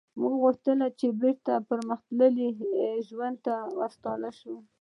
موږ غوښتل چې بیرته پرمختللي ژوند ته ستانه شو